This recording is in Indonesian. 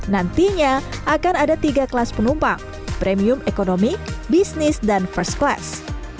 nantinya akan ada tiga kelas penumpang premium ekonomi bisnis dan first class